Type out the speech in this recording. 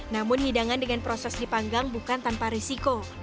namun hidangan dengan proses dipanggang bukan tanpa risiko